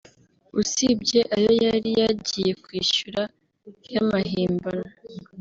usibye ayo yari yagiye kwishyura y’amahimbano